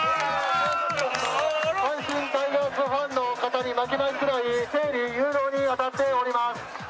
阪神タイガースファンの方に負けないくらい、整理誘導に当たっております。